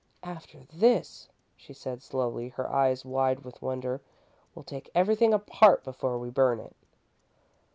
"After this," she said, slowly, her eyes wide with wonder, "we'll take everything apart before we burn it."